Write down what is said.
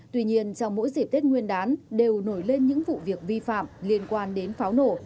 tuy nhiên trong mỗi dịp tết nguyên đán đều nổi lên những vụ việc vi phạm liên quan đến pháo nổ